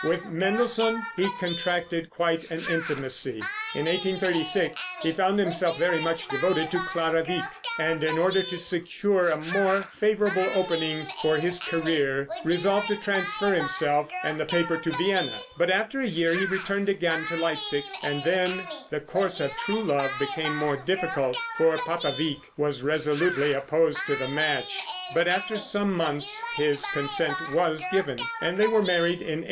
With Mendelssohn he contracted quite an intimacy. In 1836 he found himself very much devoted to Clara Wieck, and in order to secure a more favorable opening for his career, resolved to transfer himself and the paper to Vienna, but after a year he returned again to Leipsic, and then the course of true love became more difficult, for Papa Wieck was resolutely opposed to the match; but after some months his consent was given, and they were married in 1840.